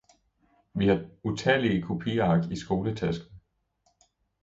Vi har utallige kopiark i skoletasken.